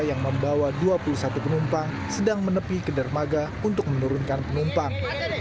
yang membawa dua puluh satu penumpang sedang menepi ke dermaga untuk menurunkan penumpang